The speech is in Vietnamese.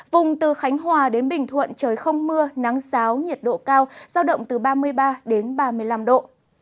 vùng từ khánh hòa đến bình thuận trời không mưa nắng giáo nhiệt độ cao giao động từ ba mươi ba đến ba mươi năm độ